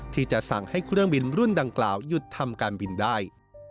ที่จะสั่งให้เครื่องบินรุ่นดังกล่าวหยุดทำการบินได้